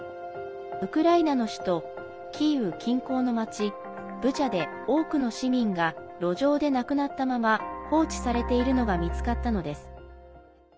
ウクライナの首都キーウ近郊の町、ブチャで多くの市民が路上で亡くなったまま放置されているのが見つかったのです。